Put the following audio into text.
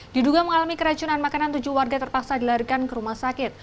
diduga mengalami keracunan makanan tujuh warga terpaksa dilarikan ke rumah sakit